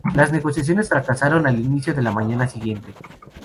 Las negociaciones fracasaron al inicio de la mañana siguiente.